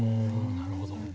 なるほど。